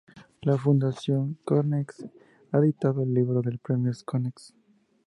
La Fundación Konex ha editado “El Libro de los Premios Konex.